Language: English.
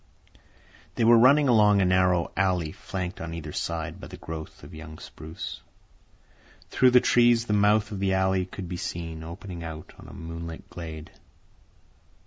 They were running along a narrow alley flanked on either side by a growth of young spruce. Through the trees the mouth of the alley could be seen, opening out on a moonlit glade.